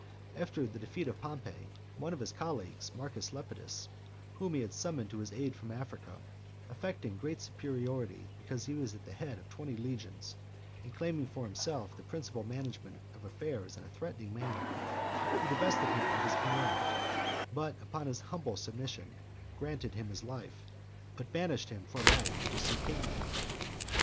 After the defeat of Pompey, one of his colleagues , Marcus Lepidus, whom he had summoned to his aid from Africa, affecting great superiority, because he was at the head of twenty legions, and claiming for himself the principal management of affairs in a threatening manner, he divested him of his command, but, upon his humble submission, granted him his life, but banished him for life to Circeii. XVII.